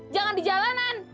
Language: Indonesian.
jangan di jalanan